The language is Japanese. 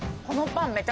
このパン